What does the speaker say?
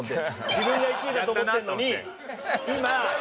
自分が１位だと思ってるのに今横の人間を。